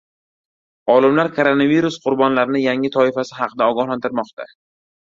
Olimlar koronavirus qurbonlarining yangi toifasi haqida ogohlantiirmoqda